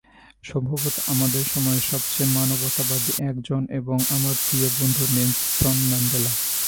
সম্ভবত আমাদের সময়ের সবচেয়ে মানবতাবাদী একজন এবং আমার প্রিয় বন্ধু নেলসন ম্যান্ডেলা।